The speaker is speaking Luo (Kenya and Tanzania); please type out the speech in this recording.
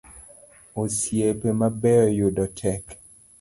Osiepe mabeyo yudo tek